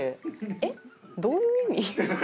えっどういう意味？